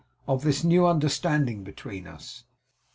'Of this new understanding between us.